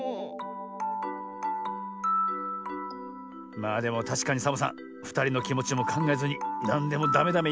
まあでもたしかにサボさんふたりのきもちもかんがえずになんでもダメダメいいすぎた。